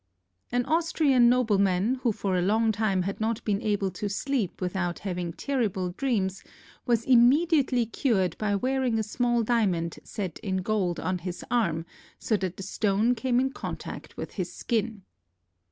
An Austrian nobleman, who for a long time had not been able to sleep without having terrible dreams, was immediately cured by wearing a small diamond set in gold on his arm, so that the stone came in contact with his skin.